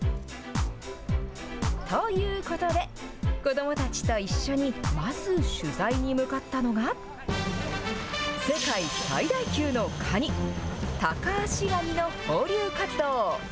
ということで、子どもたちと一緒にまず取材に向かったのが、世界最大級のカニ、タカアシガニの放流活動。